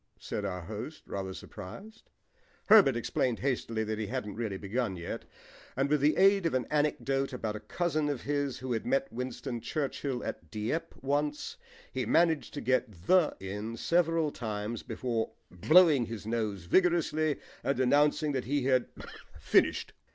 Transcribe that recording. said our host, rather surprised. Herbert explained hastily that he hadn't really begun yet, and with the aid of an anecdote about a cousin of his who had met Winston Churchill at Dieppe once, he managed to get "the" in several times before blowing his nose vigorously and announcing that he had finished.